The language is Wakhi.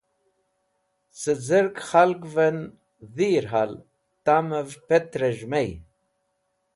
Cẽ zir khalgvẽn dhir hal tamv petrẽz̃h mey.